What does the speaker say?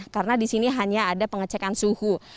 karena di sini hanya ada pengecekan suhu